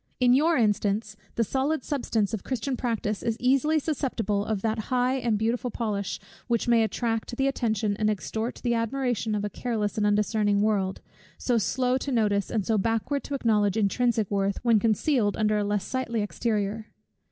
In your instance, the solid substance of Christian practice is easily susceptible of that high and beautiful polish, which may attract the attention, and extort the admiration of a careless and undiscerning world, so slow to notice, and so backward to acknowledge, intrinsic worth, when concealed under a less sightly exterior.